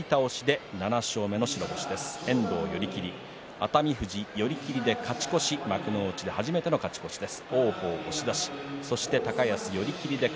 熱海富士寄り切りで勝ち越し幕内で初めての勝ち越しです。